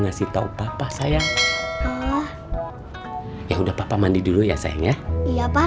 ngasih tahu papa sayang ya udah papa mandi dulu ya sayang ya iya pak